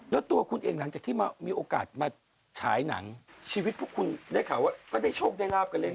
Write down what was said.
แล้วตัวคุณเองหลังจากที่มีโอกาสมาฉายหนังชีวิตพวกคุณได้ข่าวว่าก็ได้โชคได้ราบกันเลย